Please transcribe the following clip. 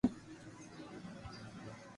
ڪوئي ڪوئي بچيا تو اوڻي ھنڌي ۾ جويو